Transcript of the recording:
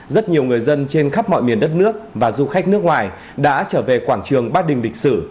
rất nhiều người dân trên khắp mọi miền đất nước và du khách nước ngoài đã trở về quảng trường bát đình lịch sử